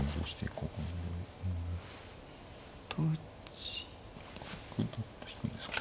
これ取って引くんですか。